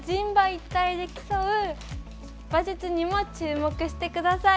一体で競う馬術にも注目してください。